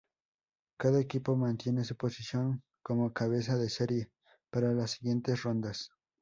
Cada equipo mantiene su posición como cabeza de serie para las siguientes rondas.